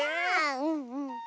うんうん。